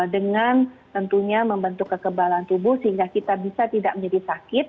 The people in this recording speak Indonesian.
dengan tentunya membentuk kekebalan tubuh sehingga kita bisa tidak menjadi sakit